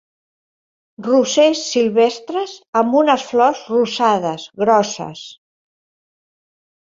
Rosers silvestres, amb unes flors rosades, grosses